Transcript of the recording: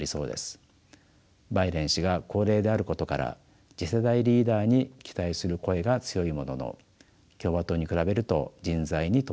バイデン氏が高齢であることから次世代リーダーに期待する声が強いものの共和党に比べると人材に乏しく